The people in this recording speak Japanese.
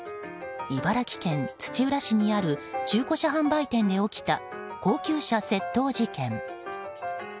茨城県土浦市にある中古車販売店で起きた高級車窃盗事件。